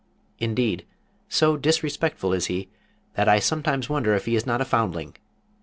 Indeed, so disrespectful is he that I sometimes wonder if he is not a foundling.